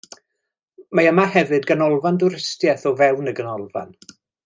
Mae yma hefyd ganolfan dwristiaeth o fewn y ganolfan.